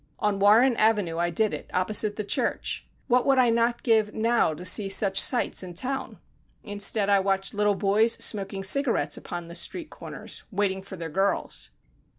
On Warren Avenue I did it, opposite the church. What would I not give, now, to see such sights in town! instead, I watch little boys smoking cigarettes upon the street corners, waiting for their girls.